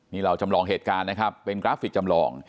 นี่เราจำลองเหตุการณ์นะครับเป็นกราฟิกจำลอง